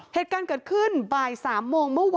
เหตุการณ์เกิดขึ้นบ่าย๓โมงเมื่อวาน